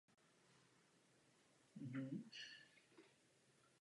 Krystalový oscilátor